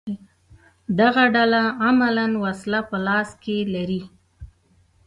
دغه ډله عملاً وسله په لاس کې لري